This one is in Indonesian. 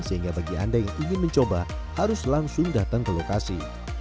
sehingga bagi anda yang ingin mencoba harus langsung datang ke lokasi